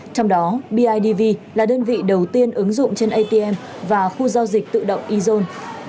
trong đó bidb là đơn vị đầu tiên ứng dụng trên atm và khu giao dịch tự động ezone